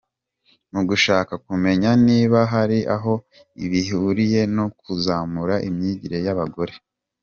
Mu gushaka kumenya niba hari aho bihuriye no kuzamura imyigire y’abagore.